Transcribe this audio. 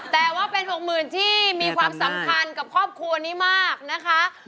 แต่ว่าเป็น๖๐๐๐ที่มีความสำคัญกับครอบครัวนี้มากนะคะ